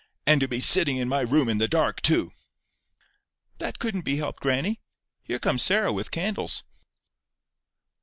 "— and to be sitting in my room in the dark too!" "That couldn't be helped, grannie. Here comes Sarah with candles."